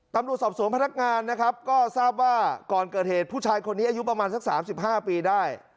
ตำรวจสอบสวนพนักงานนะครับก็ทราบว่าก่อนเกิดเหตุผู้ชายคนนี้อายุประมาณสัก๓๕ปีได้